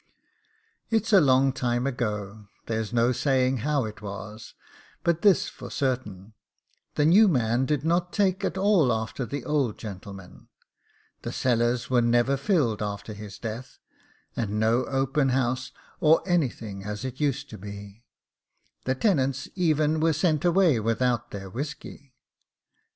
It's a long time ago, there's no saying how it was, but this for certain, the new man did not take at all after the old gentleman; the cellars were never filled after his death, and no open house, or anything as it used to be; the tenants even were sent away without their whisky.